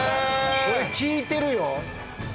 これ効いてるよ。